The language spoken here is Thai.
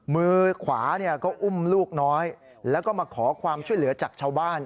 มือขวาก็อุ้มลูกน้อยแล้วก็มาขอความช่วยเหลือจากชาวบ้าน